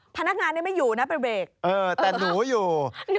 แต่หนูอยู่